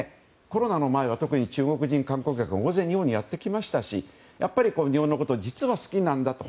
コロナの前は特に中国人観光客が大勢日本にやってきましたし日本のことを実は好きなんだと。